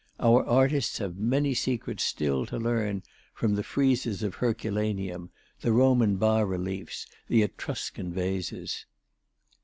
Our artists have many secrets still to learn from the friezes of Herculaneum, the Roman bas reliefs, the Etruscan vases."